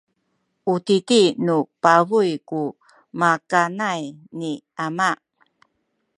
u titi nu pabuy ku makanay ni ama.